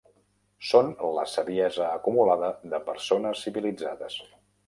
Són la saviesa acumulada de persones civilitzades.